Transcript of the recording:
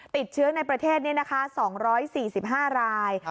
ติดเชื้อในประเทศนี้นะคะ๒๔๕ราย